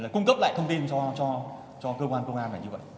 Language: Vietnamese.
cung cấp lại thông tin cho cơ quan công an